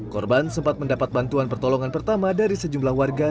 korban sempat mendapat bantuan pertolongan pertama dari sejumlah warga